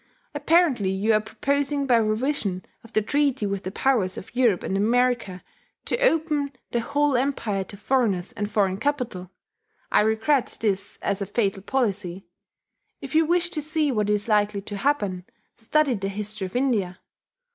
Apparently you are proposing by revision of the treaty with the Powers of Europe and America "to open the whole Empire to foreigners and foreign capital." I regret this as a fatal policy. If you wish to see what is likely to happen, study the history of India.